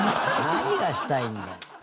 何がしたいんだよ。